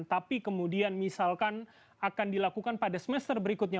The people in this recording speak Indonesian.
tapi kemudian misalkan akan dilakukan pada semester berikutnya